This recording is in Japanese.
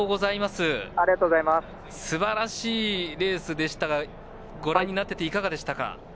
すばらしいレースでしたがご覧になっていかがでしたか？